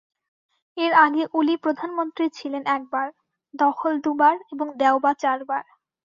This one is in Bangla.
এর আগে ওলি প্রধানমন্ত্রী ছিলেন একবার, দহল দুবার এবং দেওবা চারবার।